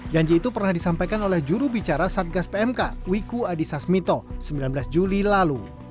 janji itu pernah disampaikan oleh jurubicara satgas pmk wiku adhisa smito sembilan belas juli lalu